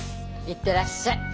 行ってらっしゃい。